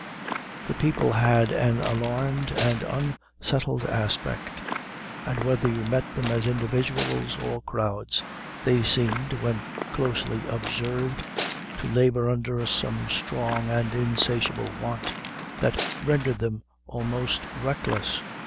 The people had an alarmed and unsettled aspect; and whether you met them as individuals or crowds, they seemed, when closely observed, to labor under some strong and insatiable want that rendered them almost reckless.